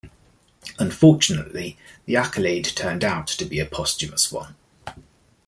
Unfortunately the accolade turned out to be a posthumous one.